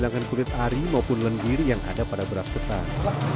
ini menghilangkan kulit ari maupun lendir yang ada pada beras ketan